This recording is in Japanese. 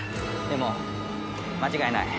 でも間違いない。